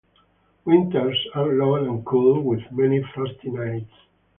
Winters are long and cool, with many frosty nights.